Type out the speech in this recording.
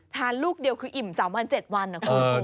ลูกเดียวคืออิ่ม๓วัน๗วันนะคุณ